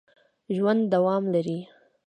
ژوند دوام لري